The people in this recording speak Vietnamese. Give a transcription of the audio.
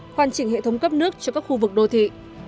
hoàn chỉnh hệ thống cấp nước cho các khu vực đô thị